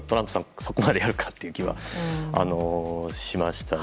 そこまでやるかっていう気はしましたね。